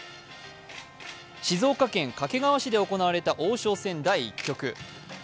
静岡県掛川市で行われた王将戦第１局。